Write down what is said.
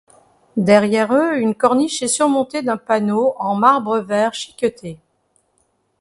Derrière eux, une corniche est surmontée d'un panneau en marbre vert chiqueté.